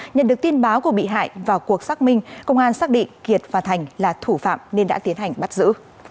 nhận được tin báo của bị hại vào cuộc xác minh công an xác định kiệt và thành là thủ phạm nên đã tiến hành bắt giữ